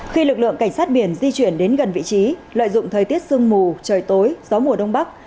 khi lực lượng cảnh sát biển di chuyển đến gần vị trí lợi dụng thời tiết sương mù trời tối gió mùa đông bắc